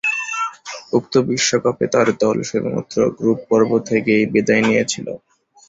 উক্ত বিশ্বকাপে তার দল শুধুমাত্র গ্রুপ পর্ব থেকেই বিদায় নিয়েছিল।